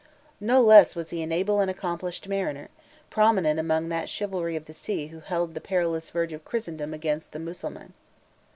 No less was he an able and accomplished mariner, prominent among that chivalry of the sea who held the perilous verge of Christendom against the Mussuhuan.